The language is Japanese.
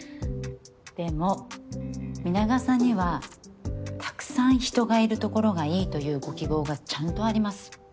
でも皆川さんにはたくさん人がいるところがいいというご希望がちゃんとあります。